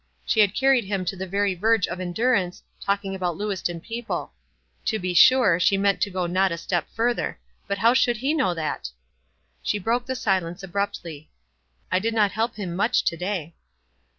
She had carried him to the very verge of endurance, talking about Lewiston people. To be sure, she meant to go not a step further ; but how should he know that ? She broke the silence abruptly. "I did not help him much to day."